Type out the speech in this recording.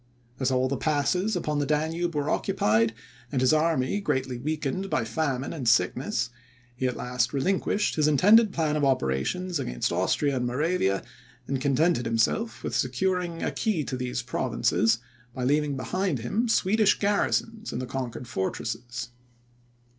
As all the passes upon the Danube were occupied, and his army greatly weakened by famine and sickness, he at last relinquished his intended plan of operations against Austria and Moravia, and contented himself with securing a key to these provinces, by leaving behind him Swedish garrisons in the conquered fortresses.